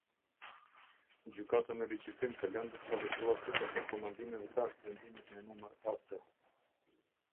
Gjykata në rigjykim të lëndës ka vepruar sipas rekomandimeve të aktvendimit me numër Ac.